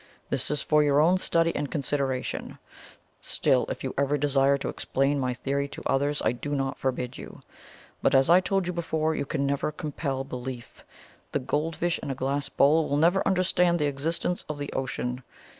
This is for your own study and consideration; still, if you ever desire to explain my theory to others, I do not forbid you. But as I told you before, you can never compel belief the goldfish in a glass bowl will never understand the existence of the ocean.